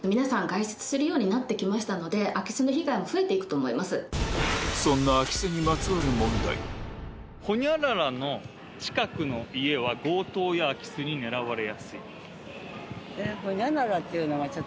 そしてそんな空き巣にまつわる問題ホニャララの近くの家は強盗や空き巣に狙われやすい。